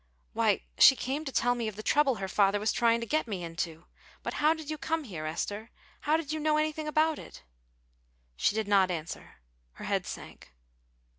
"Why, she came to tell me of the trouble her father was trying to get me into. But how did you come here, Esther? How did you know anything about it?" She did not answer. Her head sank.